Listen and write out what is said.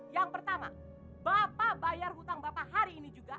yang pertama bapak bayar hutang bapak hari ini juga